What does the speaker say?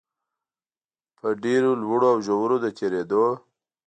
په ډېرو لوړو او ژورو د تېرېدو